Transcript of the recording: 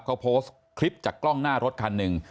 เขาโพสต์คลิปจากกล้องหน้ารถคันหนึ่ง